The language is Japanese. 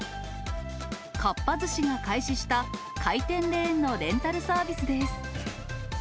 かっぱ寿司が開始した回転レーンのレンタルサービスです。